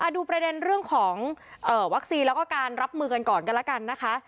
ดูประเด็นเรื่องของวัคซีนแล้วก็การรับมือกันก่อนกันแล้วกันนะคะ